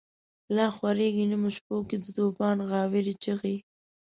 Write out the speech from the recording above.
لا خوریږی نیمو شپو کی، دتوفان غاوری چیغی